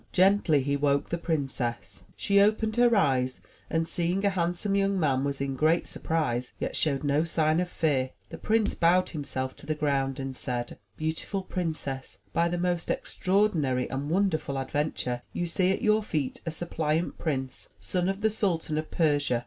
Gently he woke the princess. She opened her eyes, and seeing a ^ handsome young man, was in great surprise, yet showed no sign of fear. The prince bowed himself to the ground and said: "Beau tiful princess, by the most extraordinary and wonderful adven ture, you see at your feet a suppliant prince, son of the Sultan of Persia.